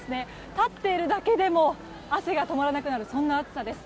立っているだけでも汗が止まらなくなるそんな暑さです。